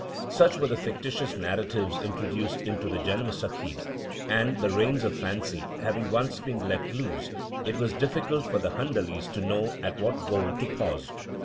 Such were the fictitious narratives introduced into the Janamsakhis, and, the reins of fancy having once been let loose, it was difficult for the Handalis to know at what goal to pause.